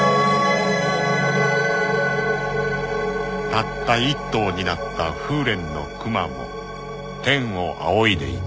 ［たった１頭になった風連のクマも天を仰いでいた］